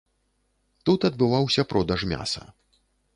Тут адбываўся продаж мяса.